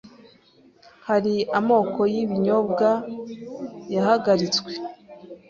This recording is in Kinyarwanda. hari amoko y’ibinyobwa yahagaritswe